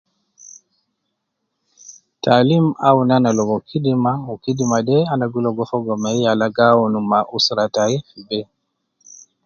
Taalim awun ana logo kidima wu kidima de ana gi logo fogo me yala gi awun ma usra tai fi be